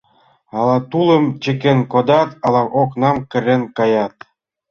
Ала тулым чыкен кодат, ала окнам кырен каят.